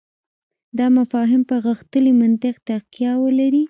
دا مفاهیم پر غښتلي منطق تکیه ولري.